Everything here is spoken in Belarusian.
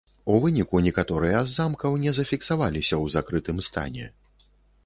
У выніку некаторыя з замкаў не зафіксаваліся ў закрытым стане.